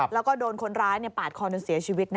แล้วก็โดนคนร้ายปาดคอโดนเสียชีวิตนะครับ